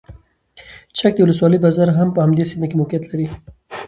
د چک د ولسوالۍ بازار هم په همدې سیمه کې موقعیت لري.